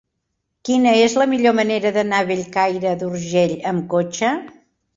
Quina és la millor manera d'anar a Bellcaire d'Urgell amb cotxe?